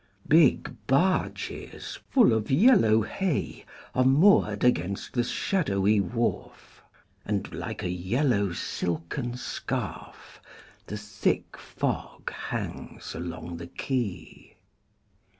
Big barges full of yellow hay Are moored against the shadowy wharf, And, like a yellow silken scarf, The thick fog hangs along the quay.